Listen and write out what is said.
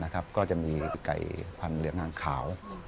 ก็จะมีไก่พันธุ์เหลืองอ่างขาว